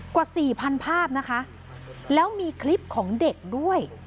กว่าสี่พันภาพนะคะแล้วมีคลิปของเด็กด้วย